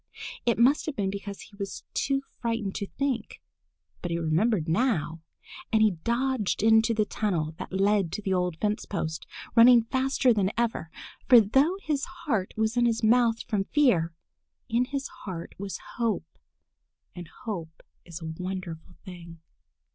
It must have been because he was too frightened to think. But he remembered now, and he dodged into the tunnel that led to the old fence post, running faster than ever, for though his heart was in his mouth from fear, in his heart was hope, and hope is a wonderful thing.